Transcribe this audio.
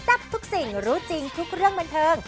ทับทุกสิ่งรู้จริงทุกเรื่องบันเทิง